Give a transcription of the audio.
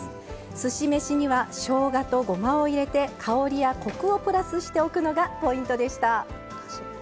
すし飯には、しょうがとごまを入れて香りやコクをプラスするのがポイントでした。